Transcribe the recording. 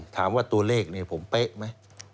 ถามว่าตัวเลขเนี่ยผมเป๊ะไหม